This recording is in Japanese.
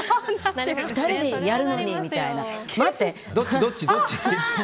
２人でやるのにみたいな。